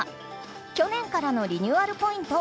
去年からの「リニューアルポイント」